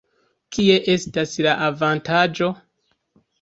Kie estas la avantaĝo?